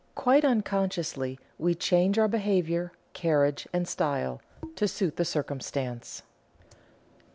Quite unconsciously we change our behavior, carriage, and style, to suit the circumstance."